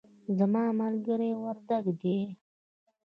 زما ملګری وردګ دی